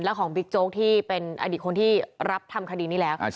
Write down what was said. ของบิ๊กโจ๊กที่เป็นอดีตคนที่รับทำคดีนี้แล้ว